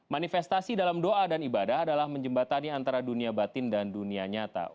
manifestasi dalam doa dan ibadah adalah menjembatani antara dunia batin dan dunia nyata